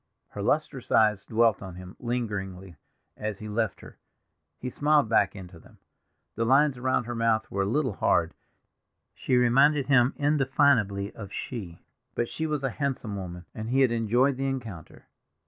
Her lustrous eyes dwelt on him lingeringly as he left her; he smiled back into them. The lines around her mouth were a little hard; she reminded him indefinably of "She"; but she was a handsome woman, and he had enjoyed the encounter.